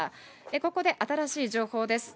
ここで新しい情報です。